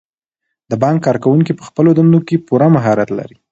د بانک کارکوونکي په خپلو دندو کې پوره مهارت لري.